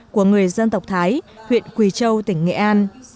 của người dân tộc thái huyện quỳ châu tỉnh nghệ an